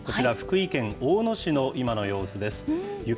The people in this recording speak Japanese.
こちら、福井県大野市の今の様子です。